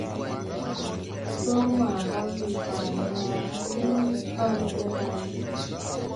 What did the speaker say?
Dɔɔ maaga wel Baa yãã raa liŋ ni Pan ɓɛ ga.